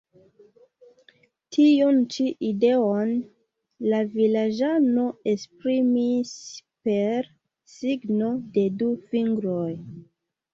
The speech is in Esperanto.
Tiun ĉi ideon la vilaĝano esprimis per signo de du fingroj.